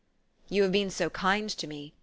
" You have been so kind to me !